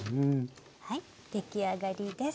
出来上がりです。